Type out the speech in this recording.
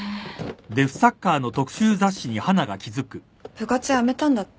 部活辞めたんだって？